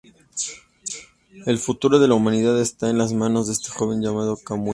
El futuro de la humanidad está en las manos de ese joven, llamado Kamui.